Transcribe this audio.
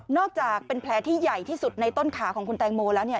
อกจากเป็นแผลที่ใหญ่ที่สุดในต้นขาของคุณแตงโมแล้วเนี่ย